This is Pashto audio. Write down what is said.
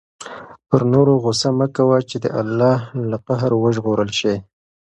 پر نورو غصه مه کوه چې د الله له قهر وژغورل شې.